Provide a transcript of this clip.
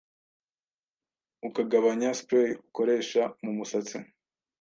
ukagabanya spray ukoresha mumusatsi